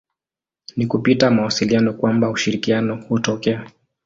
Ni kupitia mawasiliano kwamba ushirikiano hutokea.